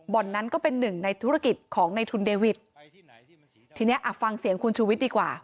นั้นก็เป็นหนึ่งในธุรกิจของในทุนเดวิททีเนี้ยอ่ะฟังเสียงคุณชูวิทย์ดีกว่า